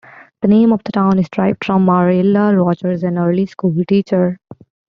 The name of the town is derived from Marilla Rogers, an early school teacher.